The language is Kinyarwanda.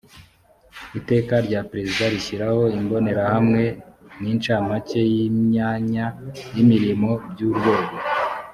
iteka rya perezida rishyiraho imbonerahamwe n incamake y imyanya y imirimo by urwego